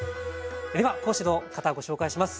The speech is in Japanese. では講師の方ご紹介します。